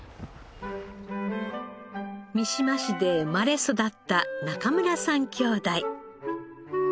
三島市で生まれ育った中村さん兄弟。